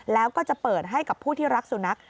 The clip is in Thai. แล้วก็จะเปิดให้กับผู้ที่รักสุนัข